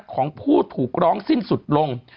ของผู้ถูกร้องสิ้นสุดลง